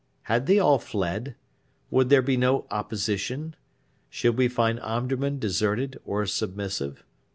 Had they all fled? Would there be no opposition? Should we find Omdurman deserted or submissive?